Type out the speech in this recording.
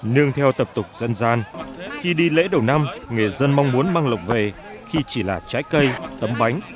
nương theo tập tục dân gian khi đi lễ đầu năm người dân mong muốn mang lộc về khi chỉ là trái cây tấm bánh